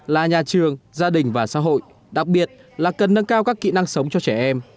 là nhà trường gia đình và xã hội đặc biệt là cần nâng cao các kỹ năng sống cho trẻ em